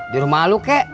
di rumah lo kek